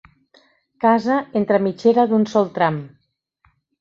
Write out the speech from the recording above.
Casa entre mitgera d'un sol tram.